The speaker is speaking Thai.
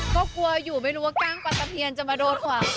ก็กลัวอยู่ไม่รู้ว่ากล้างปลาตะเพียนจะมาโดนขวา